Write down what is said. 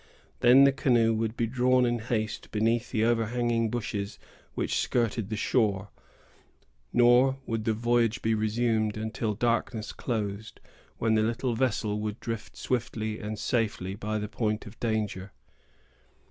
Then the canoe would be drawn in haste beneath the overhanging bushes which skirted the shore; nor would the voyage be resumed until darkness closed, when the little vessel would drift swiftly and safely by the point of danger.